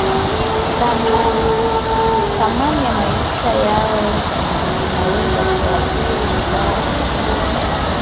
thamani ya maisha yao na inaweza kuathiri vibaya uchumi